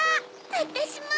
・・わたしも！